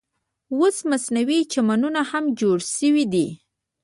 اوس مصنوعي چمنونه هم جوړ شوي دي.